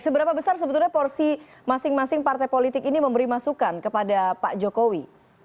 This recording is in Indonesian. seberapa besar sebetulnya porsi masing masing partai politik ini memberi masukan kepada pak jokowi